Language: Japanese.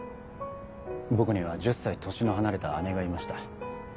僕には１０歳年の離れた姉がいました。